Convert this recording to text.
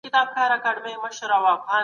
د مذهب په اړه باید بې طرفه اوسو.